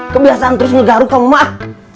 kebiasaan terus ngegaruh kamu mak